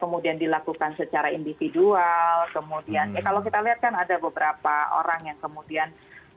kemudian dilakukan secara individual kemudian ya kalau kita lihat kan ada beberapa orang yang kemudian